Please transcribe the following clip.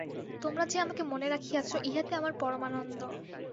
তোমরা যে আমাকে মনে রাখিয়াছ, ইহাতে আমার পরমানন্দ।